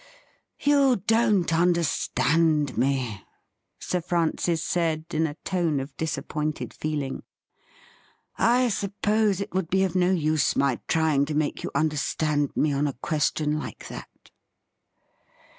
' You don't understand me,' Sir Francis said, in a tone of disappointed feeling. ' I suppose it would be of no use my trying to make you understand me on a question like that.'